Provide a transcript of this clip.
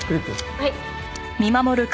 はい。